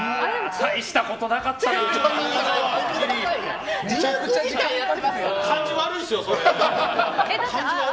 大したことなかったなあ。